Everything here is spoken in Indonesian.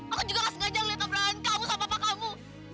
aku juga gak sengaja ngeliat ubrahan kamu sama papa kamu